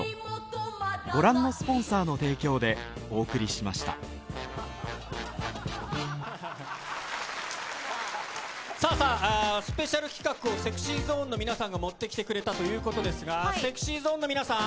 そして本日、さあさあ、スペシャル企画をＳｅｘｙＺｏｎｅの皆さんが持ってきてくれたということですが、ＳｅｘｙＺｏｎｅの皆さん。